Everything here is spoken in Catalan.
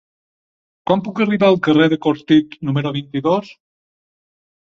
Com puc arribar al carrer de Cortit número vint-i-dos?